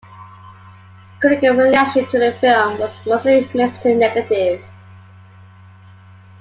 Critical reaction to the film was mostly mixed to negative.